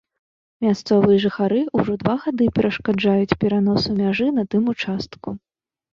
Мясцовыя жыхары ўжо два гады перашкаджаюць пераносу мяжы на тым участку.